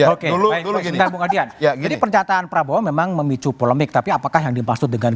oke dulu gini ya gini percataan prabowo memang memicu polemik tapi apakah yang dimaksud dengan